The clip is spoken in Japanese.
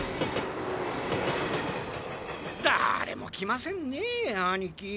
だれも来ませんねぇ兄貴。